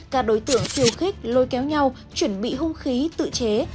các đối tượng khiêu khích lôi kéo nhau chuẩn bị hung khí tự chế